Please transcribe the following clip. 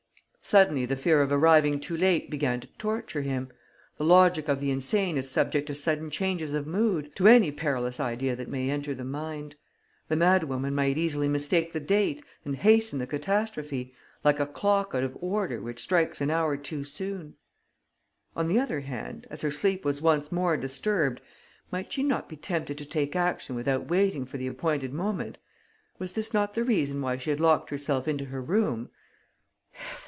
Suddenly the fear of arriving too late began to torture him. The logic of the insane is subject to sudden changes of mood, to any perilous idea that may enter the mind. The madwoman might easily mistake the date and hasten the catastrophe, like a clock out of order which strikes an hour too soon. On the other hand, as her sleep was once more disturbed, might she not be tempted to take action without waiting for the appointed moment? Was this not the reason why she had locked herself into her room?